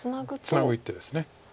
ツナぐ一手です。